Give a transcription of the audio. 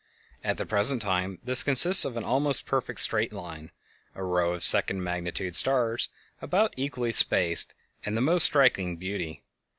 At the present time this consists of an almost perfect straight line, a row of second magnitude stars about equally spaced and of the most striking beauty.